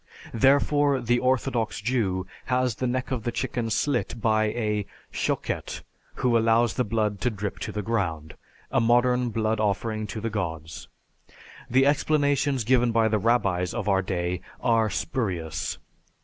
Therefore, the orthodox Jew has the neck of the chicken slit by a "Shochet" who allows the blood to drip to the ground a modern blood offering to the Gods. The explanations given by the rabbis of our day are spurious.